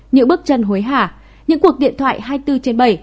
những bước chân hối hả những cuộc điện thoại hai mươi bốn trên bảy